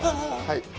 はい。